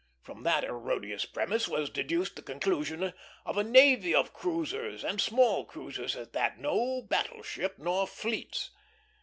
From that erroneous premise was deduced the conclusion of a navy of cruisers, and small cruisers at that; no battle ship nor fleets.